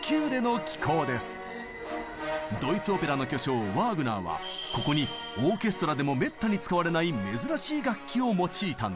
ドイツオペラの巨匠ワーグナーはここにオーケストラでもめったに使われない珍しい楽器を用いたんです。